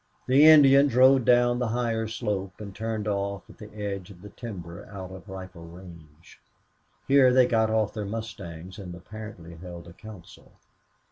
The Indians rode down the higher slope and turned off at the edge of the timber out of rifle range. Here they got off their mustangs and apparently held a council.